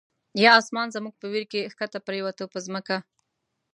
یا آسمان زموږ په ویر کی، ښکته پر یووته په ځمکه